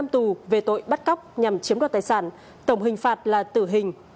năm tù về tội bắt cóc nhằm chiếm đoạt tài sản tổng hình phạt là tử hình